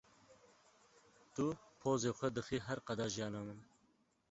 Tu pozê xwe dixî her qada jiyana min.